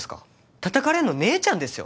叩かれんの姉ちゃんですよ